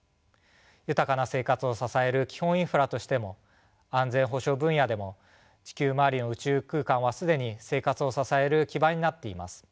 豊かな生活を支える基本インフラとしても安全保障分野でも地球周りの宇宙空間は既に生活を支える基盤になっています。